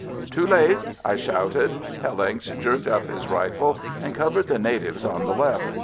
"Too late!" I shouted. Hellincks jerked up his rifle and covered the native on the left.